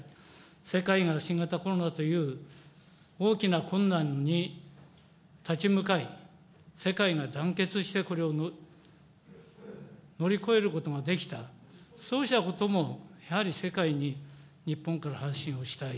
世界が新型コロナという大きな困難に立ち向かい、世界が団結してこれを乗り越えることができた、そうしたこともやはり世界に日本から発信をしたい。